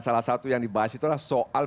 salah satu yang dibahas itulah soal